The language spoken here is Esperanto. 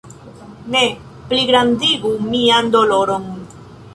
Ne pligrandigu mian doloron!